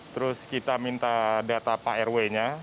terus kita minta data pak rw nya